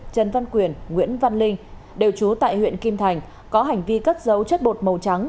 trần văn quyền nguyễn văn linh đều trú tại huyện kim thành có hành vi cất dấu chất bột màu trắng